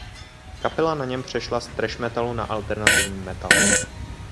Kapela na něm přešla z thrash metalu na alternativní metal.